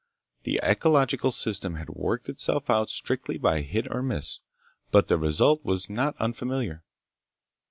The ecological system had worked itself out strictly by hit or miss, but the result was not unfamiliar.